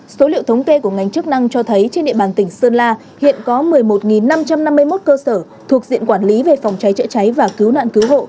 số liệu thống kê của ngành chức năng cho thấy trên địa bàn tỉnh sơn la hiện có một mươi một năm trăm năm mươi một cơ sở thuộc diện quản lý về phòng cháy chữa cháy và cứu nạn cứu hộ